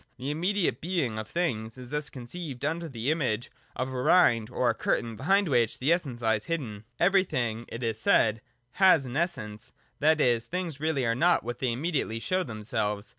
The immediate Being of things is thus conceived under the image of a rind or curtain behind which the Essence lies hidden. Everything, it is said, has an Essence ; that is, things really are not what they immediately show themselves.